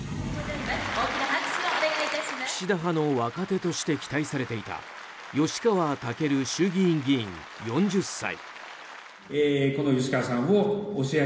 岸田派の若手として期待されていた吉川赳衆議院議員、４０歳。